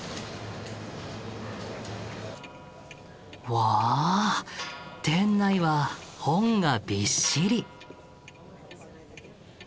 うわ店内は本がびっしり！